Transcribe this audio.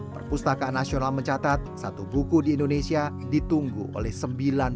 perpustakaan nasional mencatat satu buku di indonesia ditunggu oleh sembilan